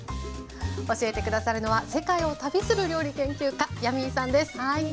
教えて下さるのは世界を旅する料理研究家ヤミーさんです。